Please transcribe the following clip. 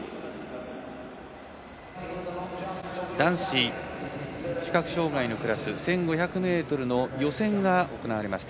男子視覚障がいのクラス１５００ｍの予選が行われました。